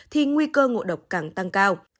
thì nguy cơ ngộ độc càng tăng cao